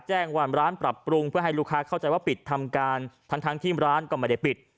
แจ้งว่าร้านปรับปรุงเพื่อให้ลูกค้าเข้าใจว่าปิดทำการทั้งที่ร้านก็ไม่ได้ปิด